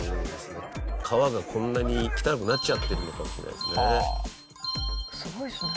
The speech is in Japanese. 川がこんなに汚くなっちゃってるのかもしれないですね。